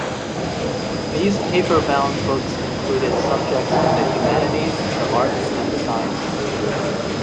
These paperbound books included subjects in the humanities, the arts, and the sciences.